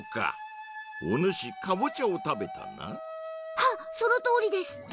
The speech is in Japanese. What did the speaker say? はっそのとおりです！